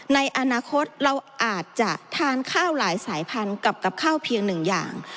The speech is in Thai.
ในอนาคตเราอาจจะทานข้าวหลายสายพันธุ์กับข้าวเพียงหนึ่งอย่าง